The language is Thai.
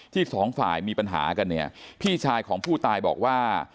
สองฝ่ายมีปัญหากันเนี่ยพี่ชายของผู้ตายบอกว่า